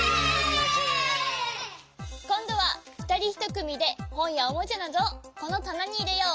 こんどはふたり１くみでほんやおもちゃなどをこのたなにいれよう。